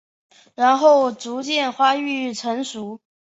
然后逐渐发育成熟。